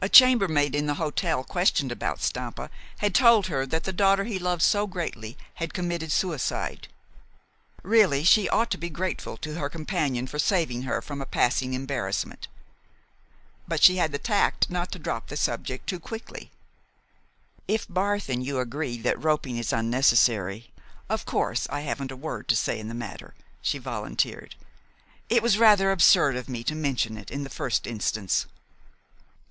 A chambermaid in the hotel, questioned about Stampa, had told her that the daughter he loved so greatly had committed suicide. Really, she ought to be grateful to her companion for saving her from a passing embarrassment. But she had the tact not to drop the subject too quickly. "If Barth and you agree that roping is unnecessary, of course I haven't a word to say in the matter," she volunteered. "It was rather absurd of me to mention it in the first instance."